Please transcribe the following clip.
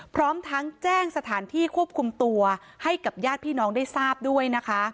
พร้อมทั้งแจ้งสถานที่ควบคุมตัวให้กับญาติพี่น้องได้ทราบด้วยนะคะ